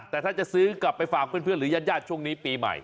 แต่ถ้าจะซื้อกลับไปฝากเพื่อนหรือญาติญาติช่วงนี้ปีใหม่